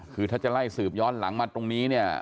คือถ้าจะไล่สืบย้อนหลังมาตรงนี้เนี่ย